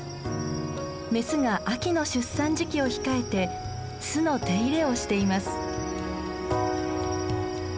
メスが秋の出産時期を控えて巣の手入れをしています。